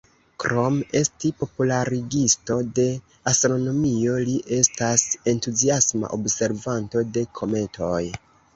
Krom esti popularigisto de astronomio, li estas entuziasma observanto de kometoj.